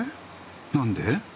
何で？